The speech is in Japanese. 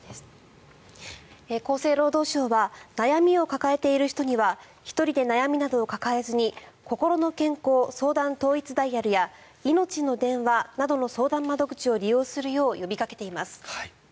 厚生労働省は悩みを抱えている人には１人で悩みなどを抱えずにこころの健康相談統一ダイヤルやいのちの電話などの相談窓口を利用するよう呼びかけています。